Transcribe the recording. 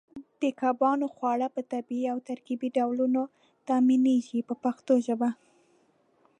د کبانو خواړه په طبیعي او ترکیبي ډولونو تامینېږي په پښتو ژبه.